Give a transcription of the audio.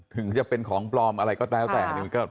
ถึงจะเป็นของปลอมอะไรก็แล้วแต่